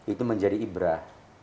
itu menjadi ibrah